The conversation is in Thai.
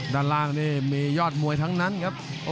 ด้านล่างนี่มียอดมวยทั้งนั้นครับ